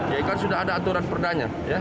ya kan sudah ada aturan perdanya